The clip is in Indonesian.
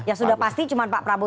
ya sudah pasti cuma pak prabowo